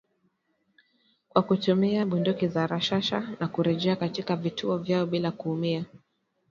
kwa kutumia bunduki za rashasha na kurejea katika vituo vyao bila kuumia.